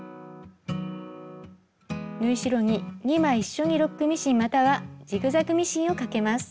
縫い代に２枚一緒にロックミシンまたはジグザグミシンをかけます。